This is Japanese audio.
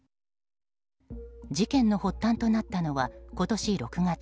事件の発端となったのは今年６月。